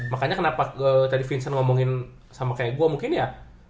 makanya kenapa tadi vincent ngomongin sama kayak gue mungkin ya